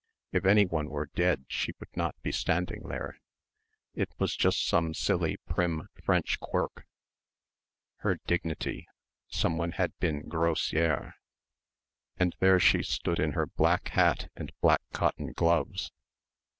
If anyone were dead she would not be standing there ... it was just some silly prim French quirk ... her dignity ... someone had been "grossière" ... and there she stood in her black hat and black cotton gloves....